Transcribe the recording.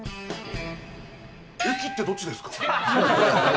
駅ってどっちですか？